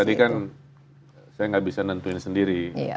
ya tadi kan saya gak bisa nentuin sendiri